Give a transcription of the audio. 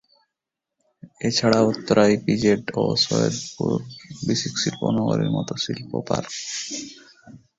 এছাড়া উত্তরা ইপিজেড ও সৈয়দপুর বিসিক শিল্প নগরীর মত শিল্প পার্ক।